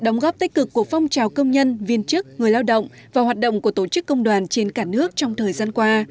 người lao động và hoạt động của tổ chức công đoàn trên cả nước trong thời gian qua